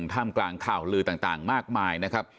ท่ามกลางข่าวลือต่างมากมายนะครับ